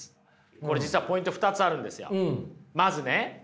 これ実はポイント２つあるんですよ。